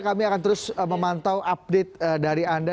kami akan terus memantau update dari anda